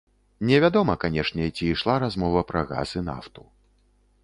Невядома, канешне, ці ішла размова пра газ і нафту.